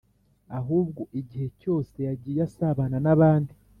. Ahubwo igihe cyose yagiye asabana n’abandi ;